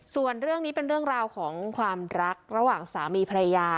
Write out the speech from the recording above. ส่วนเรื่องนี้เป็นเรื่องราวของความรักระหว่างสามีภรรยา